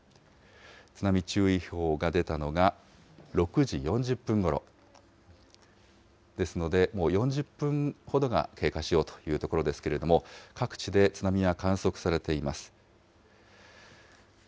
津波注意報が出たのが６時４０分ごろ、ですので、もう４０分ほどが経過しようというところですけれども、各地で津波が観測されています。